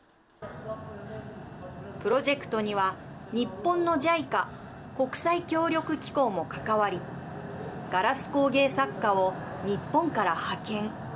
プロジェクトには、日本のＪＩＣＡ＝国際協力機構も関わりガラス工芸作家を日本から派遣。